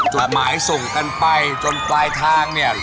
จดหมายส่งกันไปจนปลายทางเนี่ย